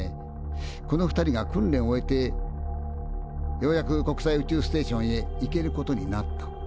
この２人が訓練を終えてようやく国際宇宙ステーションへ行けることになった。